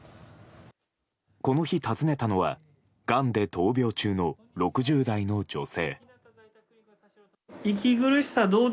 この日、訪ねたのはがんで闘病中の６０代の女性。